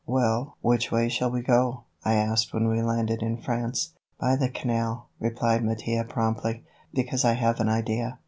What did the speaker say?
"Well, which way shall we go?" I asked when we landed in France. "By the canal," replied Mattia promptly, "because I have an idea.